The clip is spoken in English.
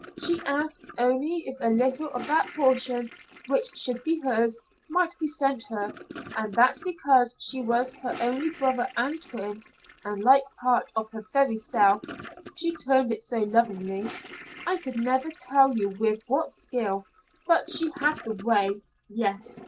She asked only if a little of that portion which should be hers might be sent her, and that because he was her only brother and twin, and like part of her very self she turned it so lovingly I never could tell you with what skill but she had the way yes.